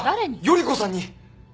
依子さんに！